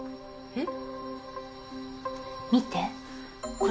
えっ。